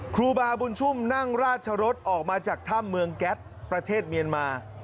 ครูบาบุญชุ่มนั่งราชรสออกมาจากถ้ำเมืองแก๊สประเทศเมียนมา